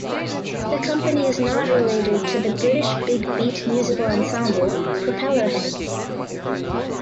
The company is not related to the British big beat musical ensemble Propellerheads.